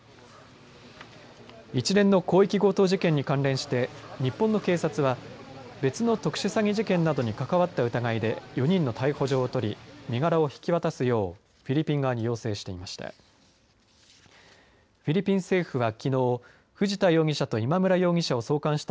一連の広域強盗事件に関連して日本の警察は別の特殊詐欺事件などに関わった疑いで４人の逮捕状を取り身柄を引き渡すようフィリピン側に要請していました。